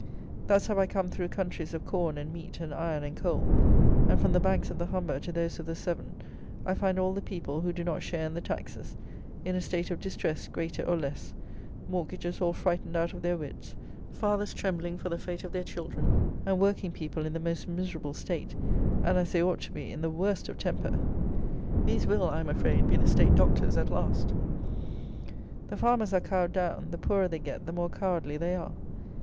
Thus have I come through countries of corn and meat and iron and coal; and from the banks of the Humber to those of the Severn, I find all the people, who do not share in the taxes, in a state of distress, greater or less, Mortgagers all frightened out of their wits; fathers trembling for the fate of their children; and working people in the most miserable state, and, as they ought to be, in the worst of temper. These will, I am afraid, be the state doctors at last! The farmers are cowed down: the poorer they get, the more cowardly they are.